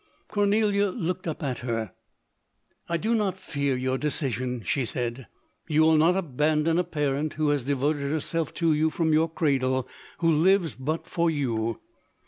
Cornelia looked up at her. " I do not fear your decision," she said ;" you will not aban don a parent, who has devoted herself to you from your cradle — who lives but for you.